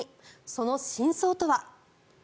その真相とは？